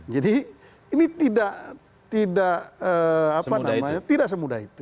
jadi ini tidak semudah itu